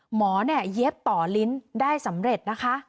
หมอเย็บต่อลิ้นได้สำเร็จนะคะ